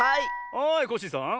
はいコッシーさん。